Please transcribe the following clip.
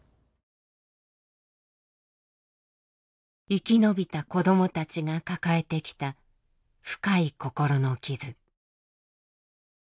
生き延びた子どもたちが抱えてきた深い心の傷。